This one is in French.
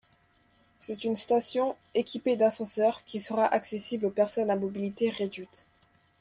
C'est une station, équipée d'ascenseurs, qui sera accessible aux personnes à mobilité réduite.